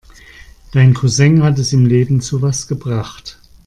Dein Cousin hat es im Leben zu was gebracht.